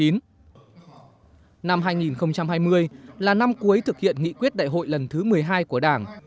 năm hai nghìn hai mươi là năm cuối thực hiện nghị quyết đại hội lần thứ một mươi hai của đảng